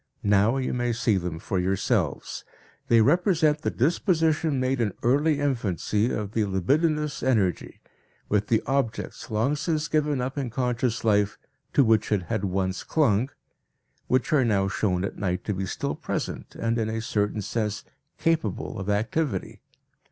Now you may see them for yourselves. They represent the disposition made in early infancy of the libidinous energy, with the objects, long since given up in conscious life, to which it had once clung, which are now shown at night to be still present and in a certain sense capable of activity.